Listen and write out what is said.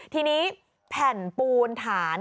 ทีนี้แผ่นปูนฐาน